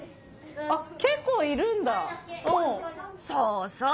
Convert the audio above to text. そうそう。